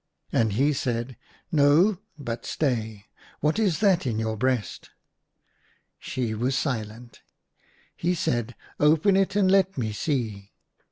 And he said, No — but stay ; what is that — in your breast ?" She was silent. He said, " Open it, and let me see."